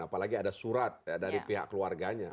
apalagi ada surat dari pihak keluarganya